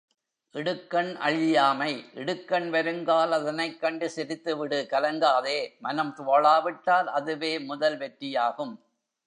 இடுக்கண் அழியாமை இடுக்கண் வருங்கால் அதனைக் கண்டு சிரித்துவிடு கலங்காதே மனம் துவளாவிட்டால் அதுவே முதல் வெற்றியாகும்.